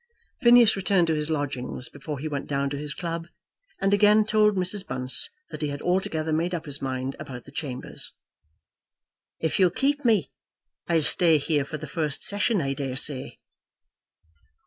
Phineas returned to his lodgings before he went down to his club, and again told Mrs. Bunce that he had altogether made up his mind about the chambers. "If you'll keep me I shall stay here for the first session I daresay."